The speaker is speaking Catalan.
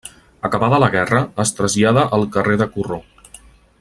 Acabada la guerra, es trasllada al carrer de Corró.